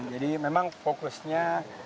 jadi memang fokusnya